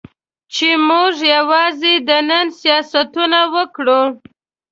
چې موږ یوازې د نن سیاستونه وکړو.